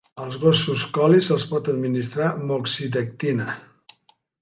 Als gossos Collie se'ls pot administrar moxidectina.